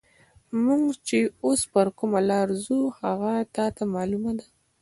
موږ چې اوس پر کومه لار ځو، هغه تا ته معلومه ده؟